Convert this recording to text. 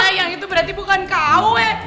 iya yang itu berarti bukan kau